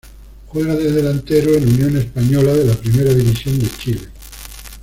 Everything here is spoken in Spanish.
Juega de delantero en Unión Española de la Primera División de Chile.